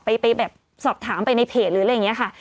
ไปแบบสอบถามไปในเพจหรืออะไรอย่างนี้ค่ะ